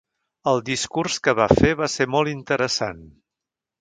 El discurs que va fer va ser molt interessant.